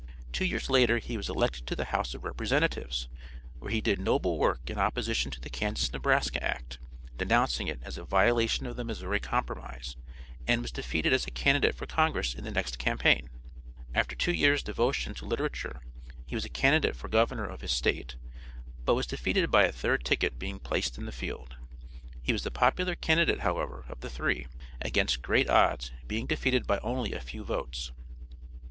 Two years later he was elected to the House of Representatives, where he did noble work in opposition to the Kansas Nebraska act, denouncing it as a violation of the Missouri Compromise, and was defeated as a candidate for congress in the next campaign. After two years devotion to literature he was a candidate for governor of his State, but was defeated by a third ticket being placed in the field. He was the popular candidate, however, of the three, against great odds being defeated by only a few votes.